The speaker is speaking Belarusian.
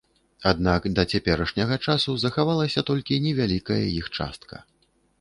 Аднак да цяперашняга часу захавалася толькі невялікая іх частка.